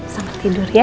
selamat tidur ya